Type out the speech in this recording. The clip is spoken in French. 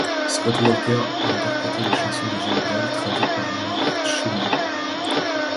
Scott Walker a interprété les chansons de Jacques Brel traduites par Mort Shuman.